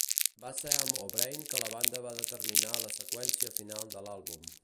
Va ser amb O'Brien que la banda va determinar la seqüència final de l'àlbum.